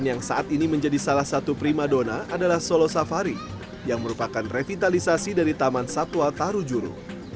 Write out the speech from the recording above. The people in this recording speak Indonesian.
yang merupakan revitalisasi dari taman satwa tarujuru